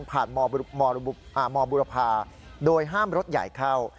ผ่านมบุรพาโดยห้ามรถใหญ่เข้า